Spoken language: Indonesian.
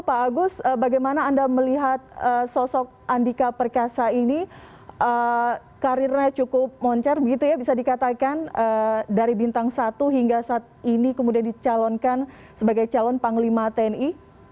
pak agus bagaimana anda melihat sosok andika perkasa ini karirnya cukup moncar begitu ya bisa dikatakan dari bintang satu hingga saat ini kemudian dicalonkan sebagai calon panglima tni